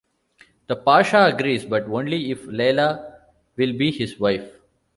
The pasha agrees, but only if Leila will be his wife.